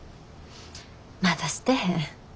まだしてへん。